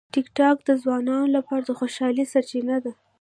ټیکټاک د ځوانانو لپاره د خوشالۍ سرچینه ده.